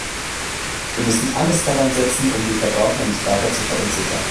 Wir müssen alles daran setzen, um die Verbraucher nicht weiter zu verunsichern.